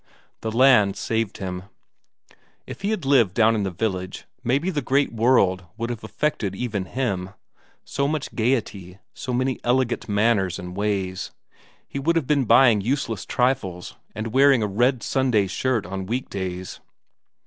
The land saved him. If he had lived down in the village, maybe the great world would have affected even him; so much gaiety, so many elegant manners and ways; he would have been buying useless trifles, and wearing a red Sunday shirt on weekdays.